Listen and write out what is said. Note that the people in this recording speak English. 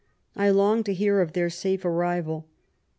I long to hear of their safe arriyal.